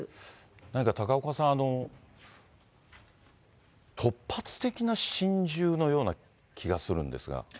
何か高岡さん、突発的な心中のような気がするんですが。